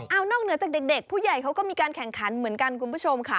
เอานอกเหนือจากเด็กผู้ใหญ่เขาก็มีการแข่งขันเหมือนกันคุณผู้ชมค่ะ